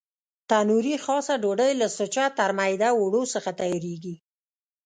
تنوري خاصه ډوډۍ له سوچه ترمیده اوړو څخه تیارېږي.